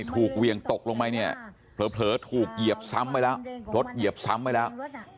เหวี่ยงตกลงไปเนี่ยเผลอถูกเหยียบซ้ำไปแล้วรถเหยียบซ้ำไปแล้ว